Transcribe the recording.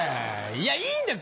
いやいいんだよ